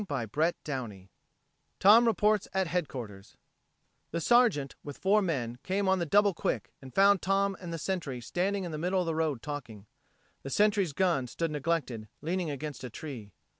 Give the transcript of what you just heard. CHAPTER TWENTY TOM REPORTS AT HEADQUARTERS The Sergeant, with four men, came on the double quick, and found Tom and the Sentry standing in the middle of the road talking. The Sentry's gun stood neglected, leaning against a tree.